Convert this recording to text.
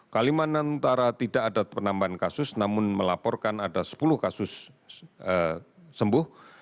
kalimantan utara tidak ada penambahan kasus namun melaporkan ada sepuluh kasus sembuh